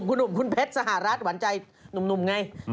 คุณหนุ่มหวานใจหนุ่มไง